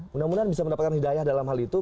mudah mudahan bisa mendapatkan hidayah dalam hal itu